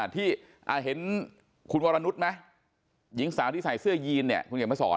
ที่เห็นคุณวรนุษย์ไหมหญิงสาวที่ใส่เสื้อยีนเนี่ยคุณเขียนมาสอน